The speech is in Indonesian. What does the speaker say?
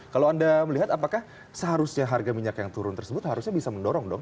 kalau anda melihat apakah seharusnya harga minyak yang turun tersebut harusnya bisa mendorong dong